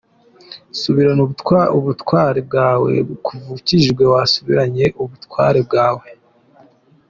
Subirana ubutware bwawe: kuva ukijijwe, wasubiranye ubutware bwawe.